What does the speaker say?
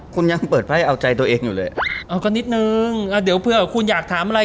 คุณยังเปิดไพ่เอาใจตัวเองอยู่เลยเอากันนิดนึงอ่าเดี๋ยวเผื่อคุณอยากถามอะไร